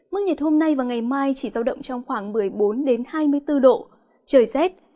mức nhiệt hôm nay và ngày mai chỉ giao động trong khoảng một mươi bốn hai mươi bốn độ trời rét